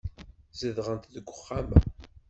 Zedɣent deg uxxam-a.